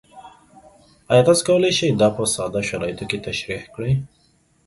ایا تاسو کولی شئ دا په ساده شرایطو کې تشریح کړئ؟